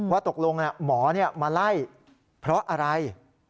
ว่าตกลงหมอมาไล่เพราะอะไร